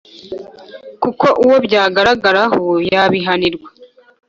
kuko uwo byagaragaraho yabihanirwa.